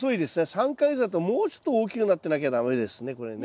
３か月だともうちょっと大きくなってなきゃ駄目ですねこれね。